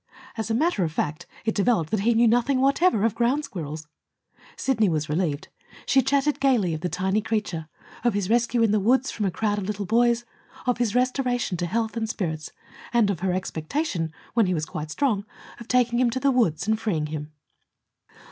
As a matter of fact, it developed that he knew nothing whatever of ground squirrels. Sidney was relieved. She chatted gayly of the tiny creature of his rescue in the woods from a crowd of little boys, of his restoration to health and spirits, and of her expectation, when he was quite strong, of taking him to the woods and freeing him.